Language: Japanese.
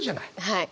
はい。